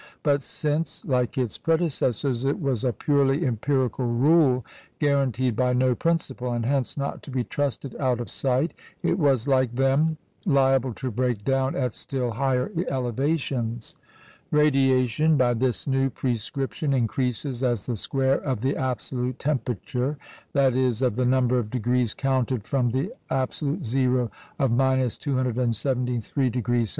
but since, like its predecessors, it was a purely empirical rule, guaranteed by no principle, and hence not to be trusted out of sight, it was, like them, liable to break down at still higher elevations. Radiation by this new prescription increases as the square of the absolute temperature that is, of the number of degrees counted from the "absolute zero" of 273° C.